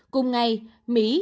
cùng ngày mỹ